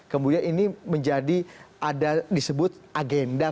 kemudian ini menjadi ada disebut agenda